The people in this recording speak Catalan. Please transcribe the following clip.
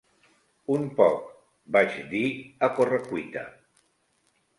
"Un poc", vaig dir, a correcuita.